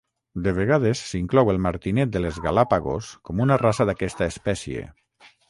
De vegades s'inclou el martinet de les Galápagos com una raça d'aquesta espècie.